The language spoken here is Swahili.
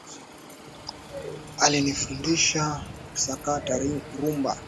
Alinifundisha kusakata rhumba.